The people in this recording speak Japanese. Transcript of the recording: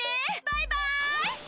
バイバイ！